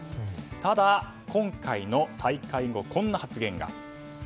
ただ、今回の大会後こんな発言が。